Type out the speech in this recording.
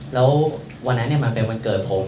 แล้ววันนั้นมันเป็นวันเกิดผม